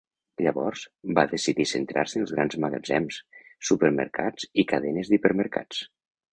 Llavors, va decidir centrar-se en els grans magatzems, supermercats i cadenes d'hipermercats.